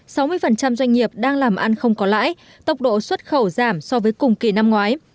sáu mươi doanh nghiệp đang làm ăn không có lãi tốc độ xuất khẩu giảm so với cùng kỳ năm ngoái